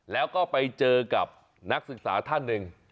แล้วก็ไปเจอกับนักศึกษาท่านหนึ่ง